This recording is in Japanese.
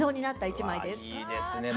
いいですね